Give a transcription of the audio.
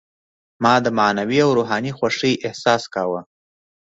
ما د معنوي او روحاني خوښۍ احساس کاوه.